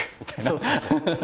そうそうそう。